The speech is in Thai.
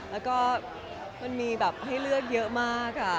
แล้วก็มันมีแบบให้เลือกเยอะมาก